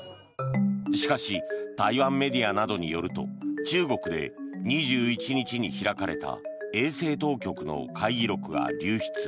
しかし台湾メディアなどによると中国で２１日に開かれた衛生当局の会議録が流出。